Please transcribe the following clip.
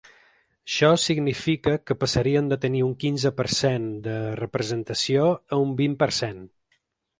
Això significa que passarien de tenir un quinze per cent de representació a un vint per cent.